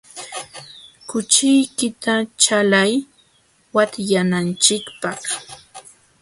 Kuchiykita chalay watyananchikpaq.